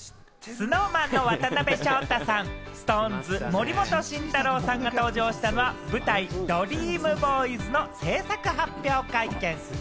ＳｎｏｗＭａｎの渡辺翔太さん、ＳｉｘＴＯＮＥＳ・森本慎太郎さんが登場したのは、舞台『ＤＲＥＡＭＢＯＹＳ』の制作発表会見。